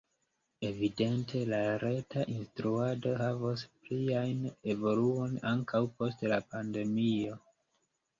Evidente la reta instruado havos plian evoluon ankaŭ post la pandemio.